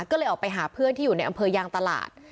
ก็เลยออกไปหาเพื่อนที่อยู่ในอำเภอยางตลาด